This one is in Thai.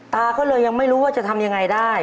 ตาก็เลยยังไม่รู้ว่าจะทำยังไงได้